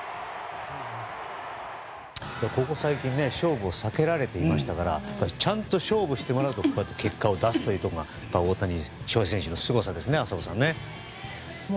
ここ最近勝負を避けられていましたからちゃんと勝負してもらうと結果を出すというところが大谷翔平選手のすごさですね浅尾さん。